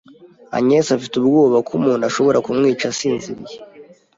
Agnes afite ubwoba ko umuntu ashobora kumwica asinziriye.